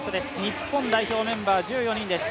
日本代表メンバー１４人です。